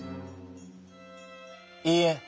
「いいえ。